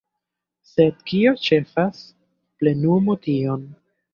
Sed kio ĉefas – plenumu tion.